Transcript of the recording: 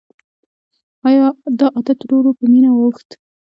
دا عادت ورو ورو په مینه واوښت.